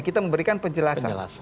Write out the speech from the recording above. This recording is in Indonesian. kita memberikan penjelasan